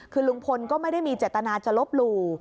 คือลุงพลก็ไม่ได้มีเจตนาจะลบหลู่